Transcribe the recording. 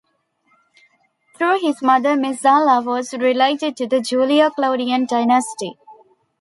Through his mother Messala was related to the Julio-Claudian Dynasty.